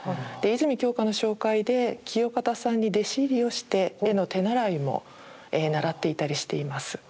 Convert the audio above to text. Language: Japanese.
泉鏡花の紹介で清方さんに弟子入りをして絵の手習いも習っていたりしています。